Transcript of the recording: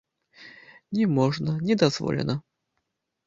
Не можна, не дазволена.